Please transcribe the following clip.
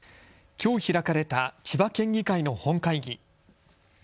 きょう開かれた千葉県議会の本会議。